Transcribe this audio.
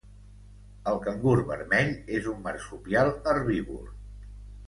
El cangur vermell és un marsupial herbívor.